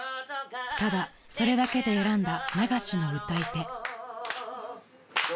［ただそれだけで選んだ流しの歌い手］